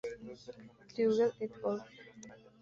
Krueger et al.